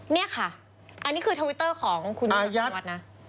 เนี่ยค่ะอันนี้คือทวิตเตอร์ของคุณอาชีวัตรนะอายัด